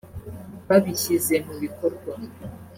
babishyize mu bikorwa